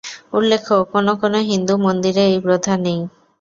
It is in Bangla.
উল্লেখ্য, কোনো কোনো হিন্দু মন্দিরে এই প্রথা নেই।